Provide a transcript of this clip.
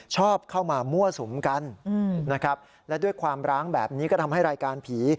ชอบเข้ามามั่วสุมกันนะครับและด้วยความร้างแบบนี้ก็ทำให้รายการผี